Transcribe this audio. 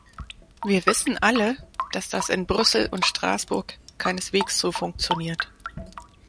Wir wissen alle, dass das in Brüssel und Straßburg keineswegs so funktioniert.